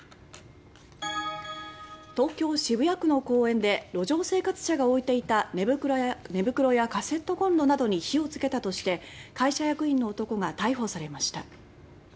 東京・渋谷区の公園で路上生活者が置いていた寝袋やカセットコンロなどに火をつけたとして会社役員の男が逮捕されました。